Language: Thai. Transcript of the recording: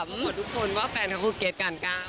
พูดทุกคนว่าแฟนเขาก็เกษกันก้าว